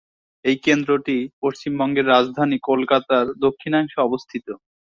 এই কেন্দ্রটি পশ্চিমবঙ্গের রাজধানী কলকাতার দক্ষিণাংশে অবস্থিত।